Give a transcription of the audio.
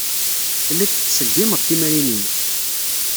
Tellid tettṣeggimed timrinin.